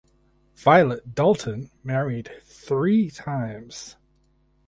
Violet Dalton married three times.